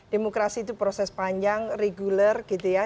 demokrasi itu proses panjang reguler gitu ya